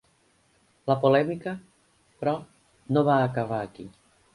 La polèmica, però, no va acabar aquí.